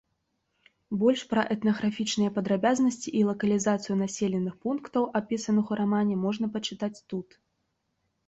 Больш пра этнаграфічныя падрабязнасці і лакалізацыю населеных пунктаў, апісаных у рамане, можна пачытаць тут.